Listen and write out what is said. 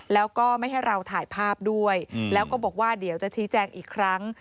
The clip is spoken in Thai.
แล้วก็ไม่ให้เราถ่ายภาพด้วยแล้วก็บอกว่าเดี๋ยวจะชี้แจงอีกครั้ง